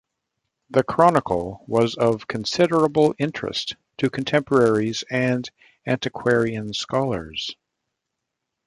The "Chronicle" was of considerable interest to contemporaries and antiquarian scholars.